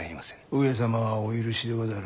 上様はお許しでござる。